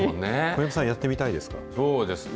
小籔さん、やってみたいですか。